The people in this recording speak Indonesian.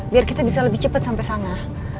biar kita bisa lebih cepet sampe sana